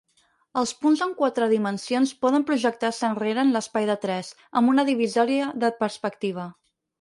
Els punts en quatre dimensions poden projectar-se enrere en l'espai de tres, amb una divisòria de perspectiva.